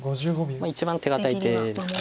一番手堅い手ですか。